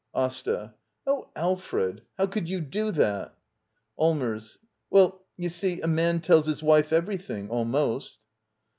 AsTA. Oh, Alfred, how could you do that? Allmers. Well, you see — a man tells his wife cver3rthing — almost.